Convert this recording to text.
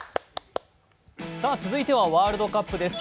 続いてはワールドカップです。